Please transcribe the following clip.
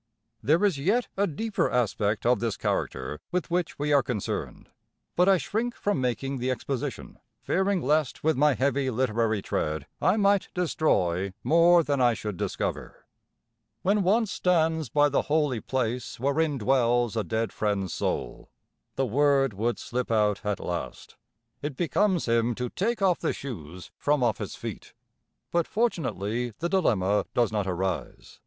There is yet a deeper aspect of this character with which we are concerned; but I shrink from making the exposition, fearing lest with my heavy literary tread I might destroy more than I should discover. When one stands by the holy place wherein dwells a dead friend's soul the word would slip out at last it becomes him to take off the shoes from off his feet. But fortunately the dilemma does not arise.